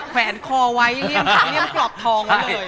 แขวนคอไว้เลี่ยงปลอบทองเลย